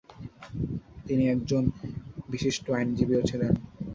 তিনি একজন বিশিষ্ট আইনজীবীও ছিলেন।